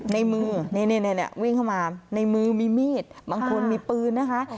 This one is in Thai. ในมือนี่วิ่งเข้ามาในมือมีมีดบางคนมีปืนนะคะ